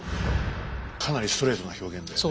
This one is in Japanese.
かなりストレートな表現だよね。